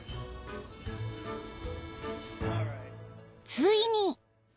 ［ついに］